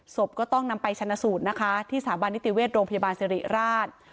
ศพก็ต้องนำไปชนะสูตรนะคะที่สถาบันนิติเวชโรงพยาบาลสิริราช